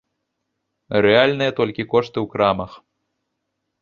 Рэальныя толькі кошты ў крамах.